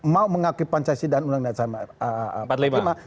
mau mengakui pancasila dan undang undang